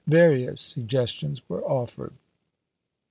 Various suggestions were offered."